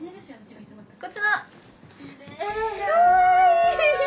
こちら！